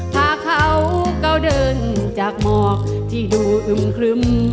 พาเขาก้าวเดินจากหมอกที่ดูอึมครึม